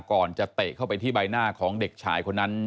จะเตะเข้าไปที่ใบหน้าของเด็กชายคนนั้น